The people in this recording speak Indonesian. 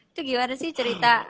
itu gimana sih cerita